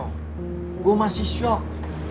karena gua baru tau kalo